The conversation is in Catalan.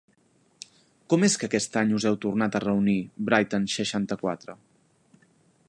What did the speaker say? Com és que aquest any us heu tornat a reunir Brighton seixanta-quatre?